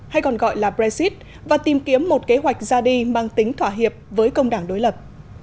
hay còn gọi là brexit và tìm kiếm một kế hoạch ra đi mang tính thỏa hiệp với công đảng đối lập